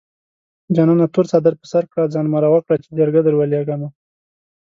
جانانه تور څادر په سر کړه ځان مرور کړه چې جرګه دروليږمه